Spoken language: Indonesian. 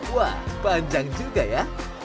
wah panjang juga ya